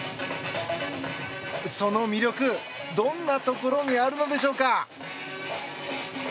その魅力、どんなところにあるのでしょうか。